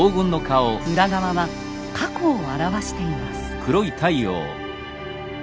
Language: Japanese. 裏側は「過去」を表しています。